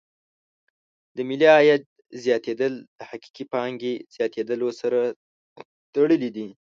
د ملي عاید زیاتېدل د حقیقي پانګې زیاتیدلو سره تړلې دي.